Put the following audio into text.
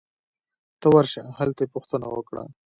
ته ورشه ! هلته یې پوښتنه وکړه